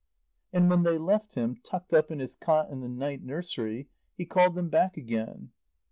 And when they left him, tucked up in his cot in the night nursery, he called them back again.